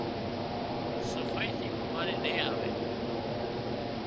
صفائي ٿي بيماري نين آووي